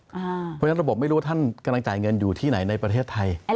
เพราะฉะนั้นระบบไม่รู้ว่าท่านกำลังจ่ายเงินอยู่ที่ไหนในประเทศไทย